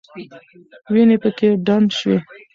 وینې پکې ډنډ شوې.